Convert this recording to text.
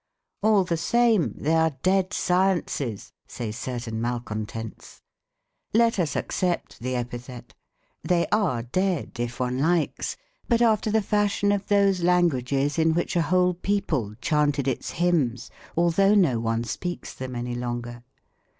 "All the same, they are dead sciences!" say certain malcontents. Let us accept the epithet. They are dead, if one likes, but after the fashion of those languages in which a whole people chanted its hymns although no one speaks them any longer.